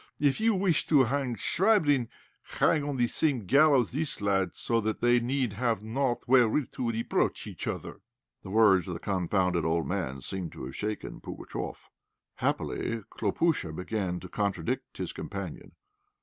If you wish to hang Chvabrine, hang on the same gallows this lad, so that they need have naught wherewith to reproach each other." The words of the confounded old man seemed to have shaken Pugatchéf. Happily, Khlopúsha began to contradict his companion.